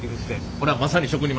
これはまさに職人技。